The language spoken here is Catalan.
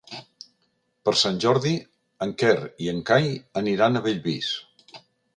Per Sant Jordi en Quer i en Cai aniran a Bellvís.